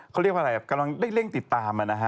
กำลังได้เร่งติดตาม